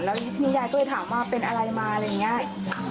แล้วพี่ยายก็เลยถามว่าเป็นอะไรมาอะไรอย่างนี้